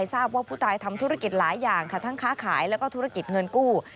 ทราบว่าผู้ตายทำธุรกิจหลายอย่างค่ะทั้งค้าขายแล้วก็ธุรกิจเงินกู้